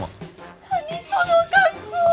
何その格好！